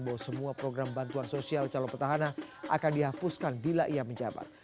bahwa semua program bantuan sosial calon petahana akan dihapuskan bila ia menjabat